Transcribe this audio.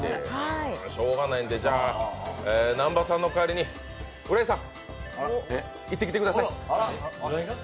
しようがないんで、南波さんの代わりに浦井さん、行ってきてください。